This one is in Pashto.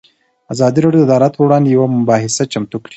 ازادي راډیو د عدالت پر وړاندې یوه مباحثه چمتو کړې.